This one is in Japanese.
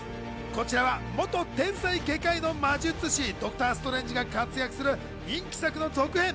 こちらは元天才外科医の魔術師、ドクター・ストレンジが活躍する人気作の続編。